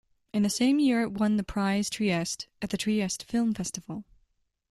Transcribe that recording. In the same year it won the Prize Trieste at the Trieste Film Festival.